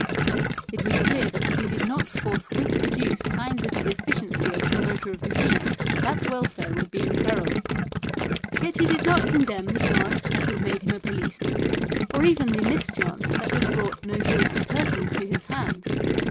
It was clear that if he did not forthwith produce signs of his efficiency as a promoter of the peace that welfare would be imperilled. Yet he did not condemn the 184 THE SOUL OF A POLICEMAN chance that had made him a policeman or even the mischance that brought no guilty persons to his hands.